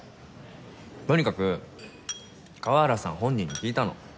とにかく河原さん本人に聞いたの。